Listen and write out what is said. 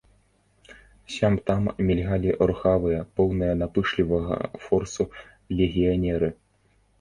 Сям-там мільгалі рухавыя, поўныя напышлівага форсу легіянеры.